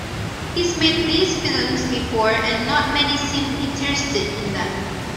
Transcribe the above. He's made these films before and not many seemed interested in them.